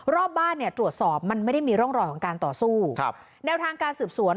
รอบบ้านเนี่ยตรวจสอบมันไม่ได้มีร่องรอยของการต่อสู้ครับแนวทางการสืบสวน